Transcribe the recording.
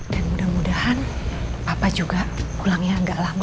dan mudah mudahan papa juga pulangnya agak lama